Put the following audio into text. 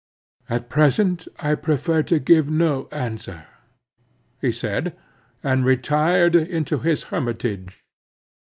"At present I prefer to give no answer," he said, and retired into his hermitage.